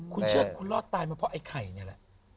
คุณเชื่อคุณรอดตายมาเพราะไอ้ไข่นี่แหละ